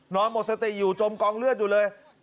หมดสติอยู่จมกองเลือดอยู่เลย